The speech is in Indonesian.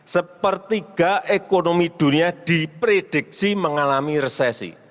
sepertiga ekonomi dunia diprediksi mengalami resesi